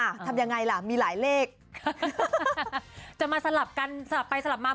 ทำยังไงล่ะมีหลายเลขจะมาสลับกันสลับไปสลับมา